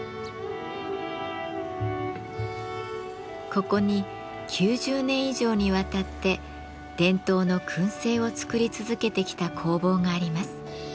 ここに９０年以上にわたって伝統の燻製を作り続けてきた工房があります。